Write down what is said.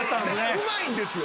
うまいんですよ。